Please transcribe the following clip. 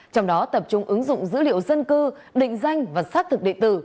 trong đó tập trung ứng dụng dữ liệu dân cư định danh và xác thực địa tử